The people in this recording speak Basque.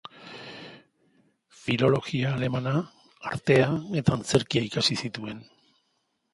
Filologia alemana, artea eta antzerkia ikasi zituen.